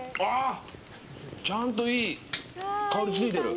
ちゃんと、いい香りついてる。